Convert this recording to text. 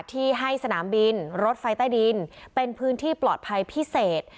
ที่ให้สนามบินรถไฟใต้ดินเป็นพื้นที่ปลอดภัยพิเศษ